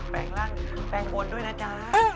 แปลงร่างแปลงบนด้วยนะจ๊ะ